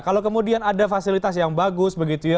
kalau kemudian ada fasilitas yang bagus begitu ya